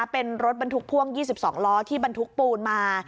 เป็นรถบรรทุกพ่วง๒๒ล้อที่บรรทุกปูนมา